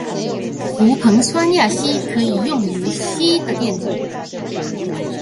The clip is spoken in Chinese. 氟硼酸亚锡可以用于锡的电镀。